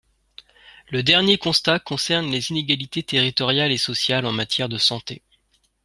Le dernier constat concerne les inégalités territoriales et sociales en matière de santé.